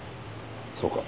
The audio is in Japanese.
そうか。